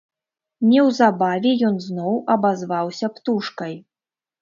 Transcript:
Неўзабаве ён зноў абазваўся птушкай.